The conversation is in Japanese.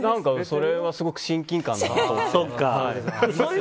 それはすごく親近感がわきます。